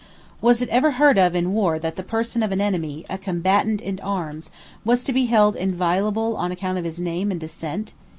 Was it ever heard of in war that the person of an enemy, a combatant in arms, was to be held inviolable on account of his name and descent?